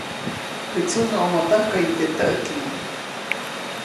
Teʼ tsunuʼomo täjkäyu teʼ täʼki.